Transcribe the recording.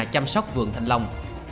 chăm sóc vườn thành long